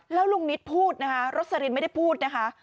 แล้วลุงนิตพูดนะคะรสลินไม่ได้พูดนะคะ